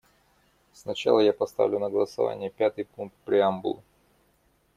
Сначала я поставлю на голосование пятый пункт преамбулы.